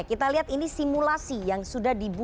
kita lihat ini simulasi yang sudah dibuat